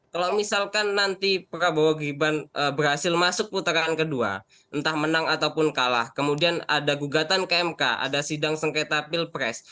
kalau misalkan nanti prabowo gibran berhasil masuk putaran kedua entah menang ataupun kalah kemudian ada gugatan ke mk ada sidang sengketa pilpres